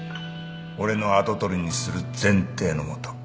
俺の跡取りにする前提のもと。